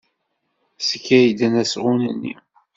Skeyden asɣun-nni.